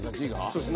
そうです。